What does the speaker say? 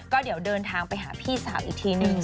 ก็เดี๋ยวเดินทางไปหาพี่สาวอีกทีนึง